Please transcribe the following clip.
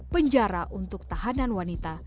penjara untuk tahanan wanita